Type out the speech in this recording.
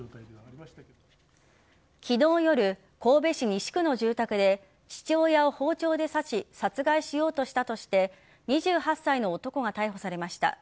昨日夜、神戸市西区の住宅で父親を包丁で刺し殺害しようとしたとして２８歳の男が逮捕されました。